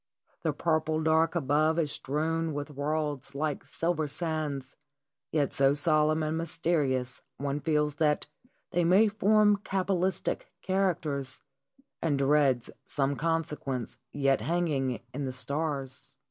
The purple dark above is strewn with worlds like silver sands, yet so solemn and mysterious one feels that they may form cabalistic characters, and dreads some consequence yet hanging in the stars.